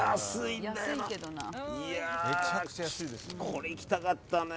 これいきたかったね。